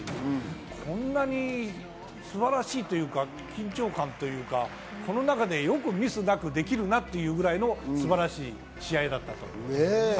こんなに素晴らしいというか、緊張感というか、この中でよくミスなくできるなというぐらいの素晴らしい試合だった。